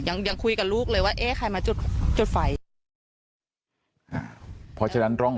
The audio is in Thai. ยังยังคุยกับลูกเลยว่าเอ๊ะใครมาจุดจุดไฟเพราะฉะนั้นร่อง